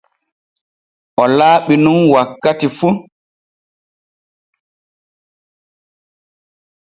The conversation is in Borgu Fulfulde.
O laaɓu nun wakkati fu.